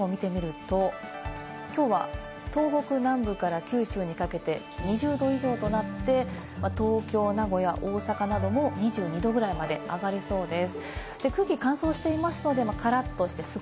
最高気温を見てみると、きょうは東北南部から九州にかけて、２０度以上となって東京、名古屋、大阪なども２２度ぐらいまで上がりそうです。